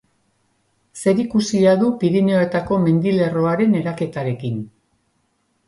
Zerikusia du Pirinioetako mendilerroaren eraketarekin.